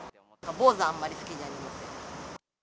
坊主はあんまり好きじゃありません。